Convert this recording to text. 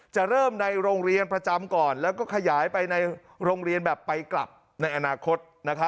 จะเริ่มในโรงเรียนประจำก่อนแล้วก็ขยายไปในโรงเรียนแบบไปกลับในอนาคต